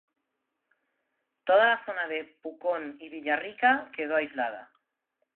Toda la zona de Pucón y Villarrica quedó aislada.